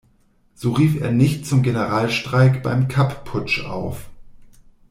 So rief er nicht zum Generalstreik beim Kapp-Putsch auf.